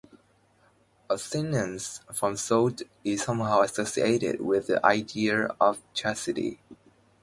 Abstinence from salt is somehow associated with the idea of chastity.